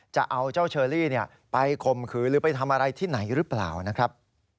จะเอาเจ้าเชอรี่ไปข่มขืนหรือไปทำอะไรที่ไหนหรือเปล่านะครับ